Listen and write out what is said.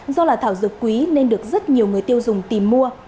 do là thảo dược quý nên được rất nhiều người tiêu dùng tìm mua